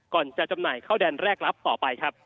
ก่อนจะจำหน่ายเข้าแดนแรกรับต่อไปครับ